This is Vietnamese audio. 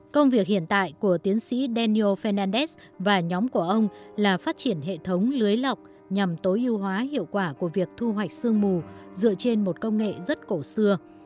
công việc hiện tại của tiến sĩ danio fernandez và nhóm của ông là phát triển hệ thống lưới lọc nhằm tối ưu hóa hiệu quả của việc thu hoạch sương mù dựa trên một công nghệ rất cổ xưa